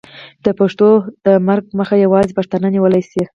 د پښتو د مرګ مخه یوازې پښتانه نیولی شي.